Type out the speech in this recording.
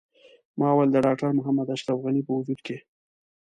ما ویل د ډاکټر محمد اشرف غني په وجود کې.